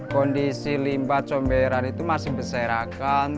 kondisi limbah comberan itu masih berserakan